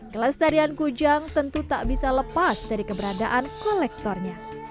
kelestarian kujang tentu tak bisa lepas dari keberadaan kolektornya